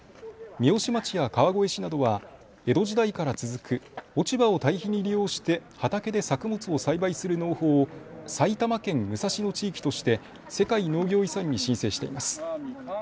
三芳町や川越市などは江戸時代から続く落ち葉を堆肥に利用して畑で作物を栽培する農法を埼玉県武蔵野地域として世界農業遺産に申請しています。